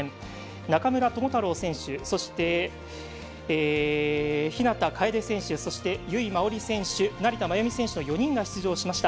中村智太郎選手そして、日向楓選手そして、由井真緒里選手成田真由美選手の４人が出場しました。